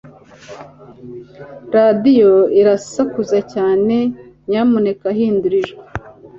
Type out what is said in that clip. radiyo irasakuza cyane nyamuneka hindura ijwi